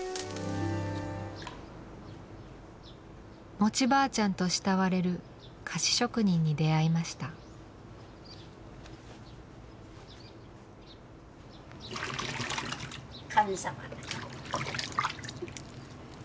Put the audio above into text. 餅ばあちゃんと慕われる菓子職人に出会いました神様。